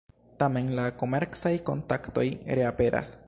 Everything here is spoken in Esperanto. Tamen, la komercaj kontaktoj reaperas.